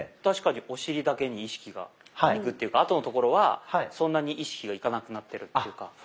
確かにお尻だけに意識がいくっていうかあとのところはそんなに意識がいかなくなってるっていうか。